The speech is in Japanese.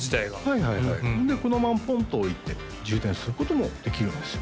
はいはいはいこのままポンと置いて充電することもできるんですよ